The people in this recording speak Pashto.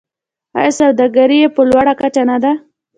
آیا سوداګري یې په لوړه کچه نه ده؟